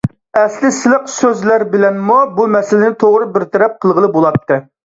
ئەسلى سىلىق سۆز بىلەنمۇ بۇ مەسىلىنى توغرا بىر تەرەپ قىلغىلى بولاتتى.